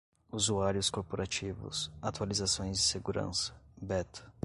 usuários corporativos, atualizações de segurança, beta